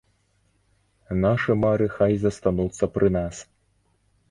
Нашы мары хай застануцца пры нас.